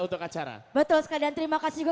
untuk acara betul sekali dan terima kasih juga